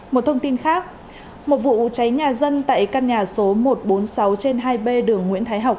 một thông tin khác một vụ cháy nhà dân tại căn nhà số một trăm bốn mươi sáu trên hai b đường nguyễn thái học